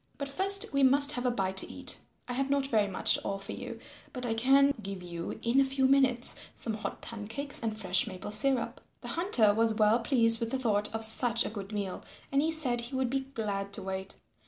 "But first we must have a bite to eat. I have not very much to offer you, but I can give you in a few minutes some hot pancakes and fresh maple syrup." The Hunter was well pleased with the thought of such a good meal and he said he would be glad to wait.